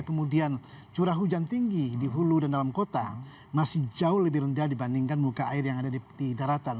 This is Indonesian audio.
kemudian curah hujan tinggi di hulu dan dalam kota masih jauh lebih rendah dibandingkan muka air yang ada di daratan